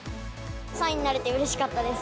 ３位になれてうれしかったです。